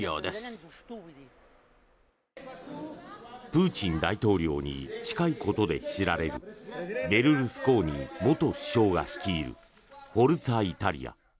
プーチン大統領に近いことで知られるベルルスコーニ元首相が率いるフォルツァ・イタリア。